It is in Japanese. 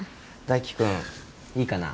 大輝君いいかな。